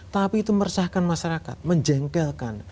tapi itu meresahkan masyarakat menjengkelkan